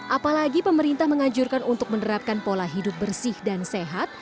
apalagi pemerintah menganjurkan untuk menerapkan pola hidup bersih dan sehat